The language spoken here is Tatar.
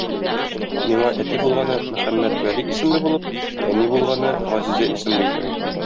Миңа әти булганы Мөхәммәтвәли исемле булып, әни булганы Газизә исемле иде.